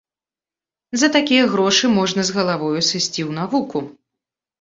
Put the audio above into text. За такія грошы можна з галавою сысці у навуку.